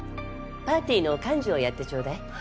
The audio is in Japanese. パーティーの幹事をやってちょうだい。